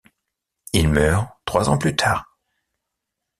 Il meurt trois ans plus tard.